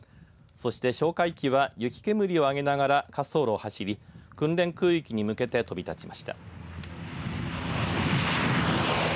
そして哨戒機は雪煙を上げながら滑走路を走り訓練空域に向けて飛び立ちました。